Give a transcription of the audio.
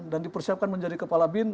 dan dipersiapkan menjadi kepala bin